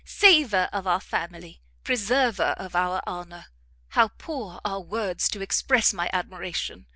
Saver of our family! preserver of our honour! How poor are words to express my admiration!